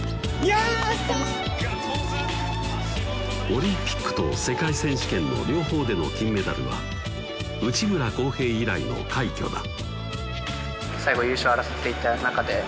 オリンピックと世界選手権の両方での金メダルは内村航平以来の快挙だ